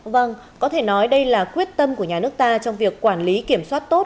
vâng có thể nói đây là quyết tâm của nhà nước ta trong việc quản lý kiểm soát tốt